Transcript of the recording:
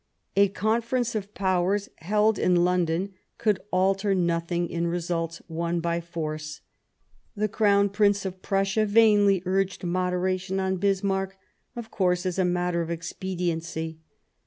A Conference of Powers, held in London, could alter nothing in results won by force. The Crown Prince of Prussia vainly urged moderation on Bismarck, of course as a matter of expediency.